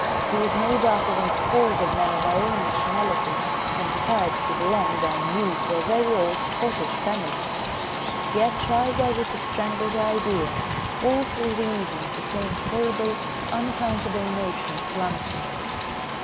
He was no darker than scores of men of my own nationality, and besides, he belonged, I knew, to a very old Scottish family. Yet, try as I would to strangle the idea, all through the evening the same horrible, unaccountable notion clung to me.